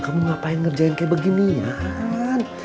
kamu ngapain ngerjain kayak beginian